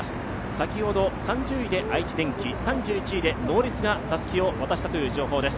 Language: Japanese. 先ほど３０位で愛知電機、３１位でノーリツがたすきを渡したという情報です。